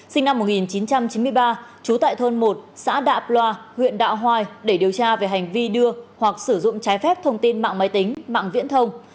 sinh năm một nghìn chín trăm chín mươi ba trú tại thôn một xã đạ ploa huyện đạo hoài để điều tra về hành vi đưa hoặc sử dụng trái phép thông tin mạng máy tính mạng viễn thông